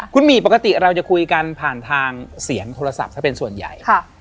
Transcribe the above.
คุณหมี่ปกติเราจะคุยกันผ่านทางเสียงโทรศัพท์ซะเป็นส่วนใหญ่